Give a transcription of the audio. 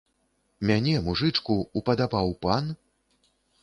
Мяне, мужычку, упадабаў пан?